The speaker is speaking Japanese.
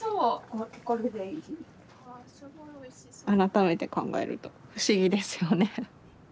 改めて考えると不思議ですよね。